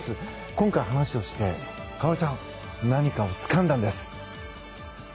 今回話をして花織さん何かをつかんだんです。